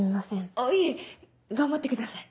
あっいえ頑張ってください。